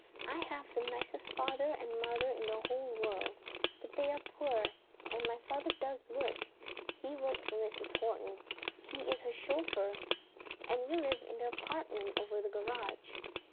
I have the nicest father and mother in the whole world, but they are poor, and my father does work. He works for Mrs. Horton; he is her chauffeur, and we live in the apartment over the garage.